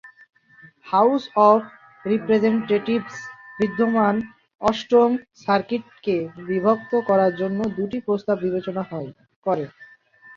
House of Representatives বিদ্যমান অষ্টম সার্কিটকে বিভক্ত করার জন্য দুটি প্রস্তাব বিবেচনা করে।